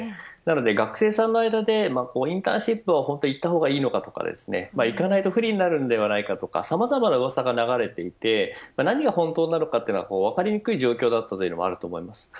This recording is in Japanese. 学生の間でインターンシップを行ったほうがいいのかとか行かないと不利になるのではないかとかさまざまなうわさが流れていて何が本当なのか分かりにくい状況だったというのもあります。